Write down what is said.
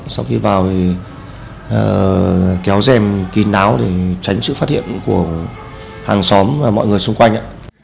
sau khi vào thì kéo dèm kín áo để tránh sự phát hiện của hàng xóm và mọi người xung quanh